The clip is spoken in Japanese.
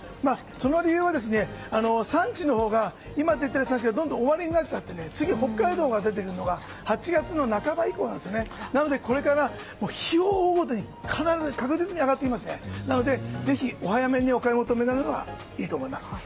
その理由は産地が今出ている産地がどんどん終わりになっちゃって次、もう１回出てくるのが８月の半ば以降なのでこれから日を追うごとに必ず上がっていきますのでぜひお早めにお買い求めになるのがいいと思います。